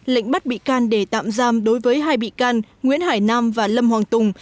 lệnh bắt bị can để tạm giam đối với hai bị can nguyễn hải nam và lâm hoàng tùng